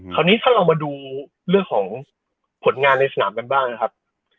คราวนี้ถ้าเรามาดูเรื่องของผลงานในสนามกันบ้างนะครับ